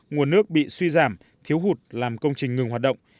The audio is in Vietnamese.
nguồn nước bị suy giảm thiếu hụt làm công trình ngừng hoạt động